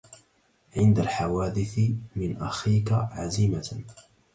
عند الحوادث من أخيك عزيمة